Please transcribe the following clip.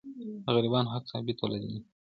د غریبانو حق ثابت او لازمي دی.